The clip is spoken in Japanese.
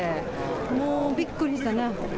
もうびっくりしたな。